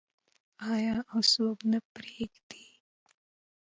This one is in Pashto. آیا او څوک نه پریږدي؟